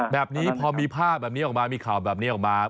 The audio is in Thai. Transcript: แบบนี้พอมีภาพแบบนี้ออกมา